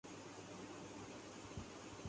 ہماری فوج کوئی چھوٹی فوج نہیں ہے۔